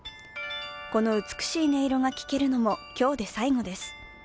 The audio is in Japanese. この美しい音色が聴けるのも今日で最後です。